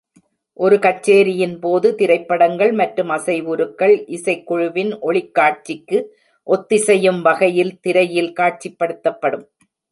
ஒரு கச்சேரியின் போது, திரைப்படங்கள் மற்றும் அசைவுருக்கள், இசைக் குழுவின் ஒளிக் காட்சிக்கு ஒத்திசயுைம் வகையில் திரையில் காட்சிப்படுத்தப்படும்.